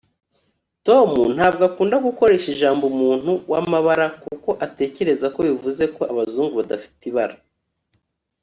tom ntabwo akunda gukoresha ijambo umuntu wamabara kuko atekereza ko bivuze ko abazungu badafite ibara